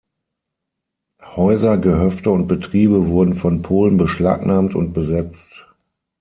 Häuser, Gehöfte und Betriebe wurden von Polen beschlagnahmt und besetzt.